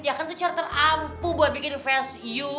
ya kan itu cara terampu buat bikin face ayu